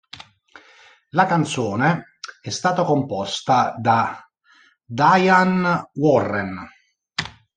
La canzone è stata composta da Diane Warren.